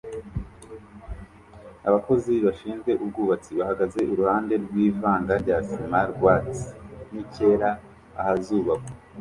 Abakozi bashinzwe ubwubatsi bahagaze iruhande rwivanga rya sima rwatsi nicyera ahazubakwa